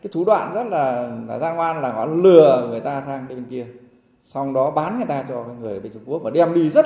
xong đó bán người ta cho người ở trung quốc và đem đi rất là nhiều nơi